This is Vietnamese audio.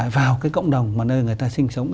vào cái cộng đồng mà nơi người ta sinh sống